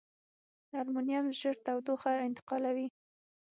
المونیم ژر تودوخه انتقالوي.